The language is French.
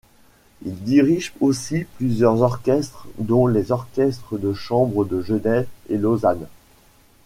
Il dirige aussi plusieurs orchestres dont les Orchestres de chambre de Genève et Lausanne.